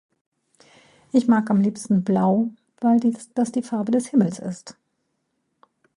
Ich mag am liebsten Blau, weil die das die Farbe des Himmels ist.